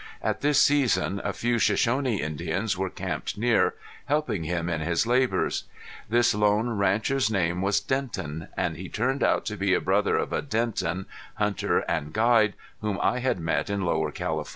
At this season a few Shoshone Indians were camped near, helping him in his labors. This lone rancher's name was Denton, and he turned out to be a brother of a Denton, hunter and guide, whom I had met in Lower California.